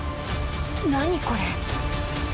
何これ？